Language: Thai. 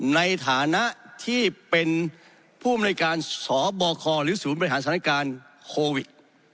ในฐานะที่เป็นผู้อำนวยการสบคหรือศูนย์บริหารสถานการณ์โควิด